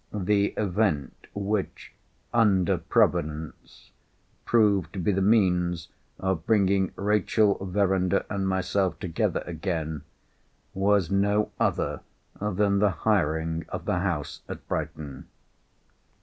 The event which (under Providence) proved to be the means of bringing Rachel Verinder and myself together again, was no other than the hiring of the house at Brighton.